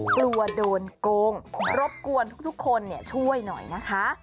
กลัวโดนโกงรบกวนทุกคนช่วยหน่อยนะคะ